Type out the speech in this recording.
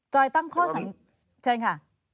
จอยตั้งข้อสั่งเชิญค่ะ